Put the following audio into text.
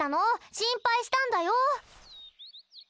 心配したんだよ？